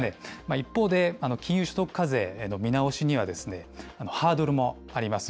一方で、金融所得課税の見直しには、ハードルもあります。